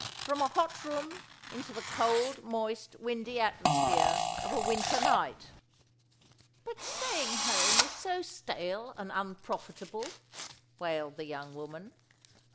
From a hot room into the cold, moist, windy atmosphere of a winter night!" "But staying home is so stale and unprofitable," wailed the young woman.